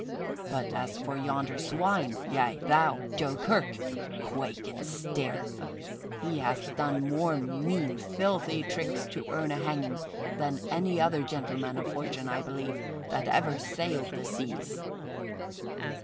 But as for yonder swine yea, thou, Joe Kirk! Quake and stare! he hath done more mean, filthy tricks to earn a hanging than any other gentleman of fortune, I believe, that ever sailed the seas."